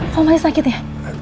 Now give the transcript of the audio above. koma sakit ya